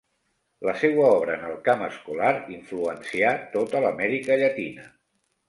La seua obra en el camp escolar influencià tota l'Amèrica Llatina.